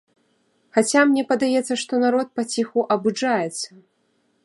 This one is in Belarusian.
Хаця, мне падаецца, што народ паціху абуджаецца.